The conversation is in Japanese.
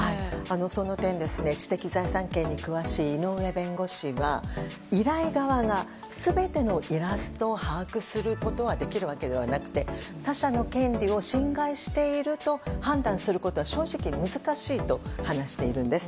その点知的財産権に詳しい井上弁護士は依頼側が全てのイラストを把握することはできるわけではなくて他者の権利を侵害していると判断することは正直難しいと話しているんです。